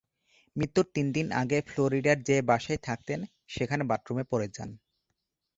মৃত্যুর তিনদিন আগে ফ্লোরিডার যে বাসায় থাকতেন, সেখানের বাথরুমে পড়ে যান।